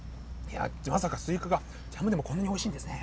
まさかスイカがジャムでも、こんなにおいしいんですね。